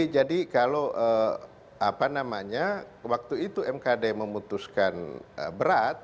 jadi kalau waktu itu mkd memutuskan berat